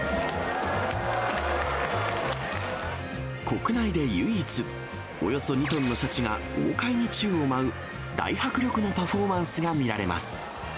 国内で唯一、およそ２トンのシャチが豪快に宙を舞う、大迫力のパフォーマンスが見られます。